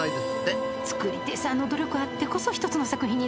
作り手さんの努力あってこそ一つの作品になるんですね。